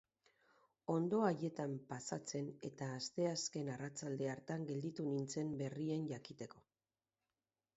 Ondo haietan pasatzen eta asteazken arratsalde hartan gelditu nintzen berrien jakiteko.